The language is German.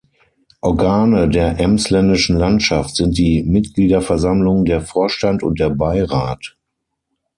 Organe der Emsländischen Landschaft sind die Mitgliederversammlung, der Vorstand und der Beirat.